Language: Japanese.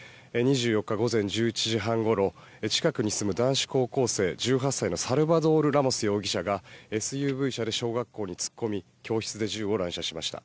２４日午前１１時半ごろ近くに住む男子高校生１８歳のサルバドール・ラモス容疑者がＳＵＶ車で小学校に突っ込み教室で銃を乱射しました。